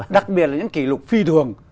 đặc biệt là những kỷ lục phi thường